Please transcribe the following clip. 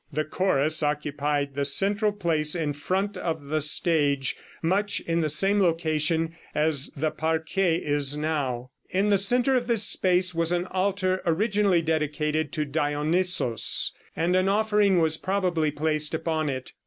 The chorus occupied the central place in front of the stage, much in the same location as the parquet is now. In the center of this space was an altar, originally dedicated to Dionysos, and an offering was probably placed upon it.